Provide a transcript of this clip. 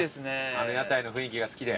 あの屋台の雰囲気が好きで。